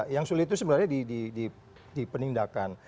yang sulit itu sebenarnya dipenindakan